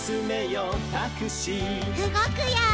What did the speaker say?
うごくよ！